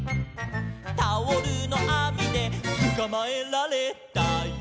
「タオルのあみでつかまえられたよ」